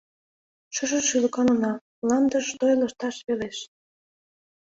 Шыже — шӱлыкан уна: Мландыш той лышташ велеш.